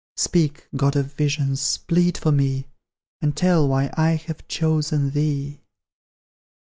Speak, God of visions, plead for me, And tell why I have chosen thee!